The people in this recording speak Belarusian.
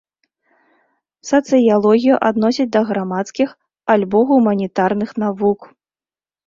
Сацыялогію адносяць да грамадскіх альбо гуманітарных навук.